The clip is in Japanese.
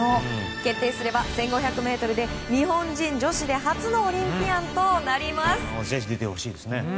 決定すれば１５００ｍで日本人女子の初のオリンピアンとなります。